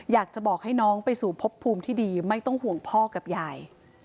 อยากจะบอกให้น้องไปสู่พบภูมิที่ดีไม่ต้องห่วงพ่อกับยาย